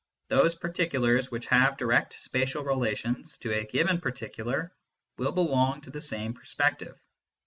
Those particulars which have direct spatial relations to a given particular will belong to the same perspective.